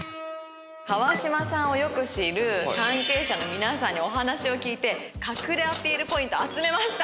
川島さんをよく知る関係者の皆さんにお話を聞いて隠れアピールポイント集めました！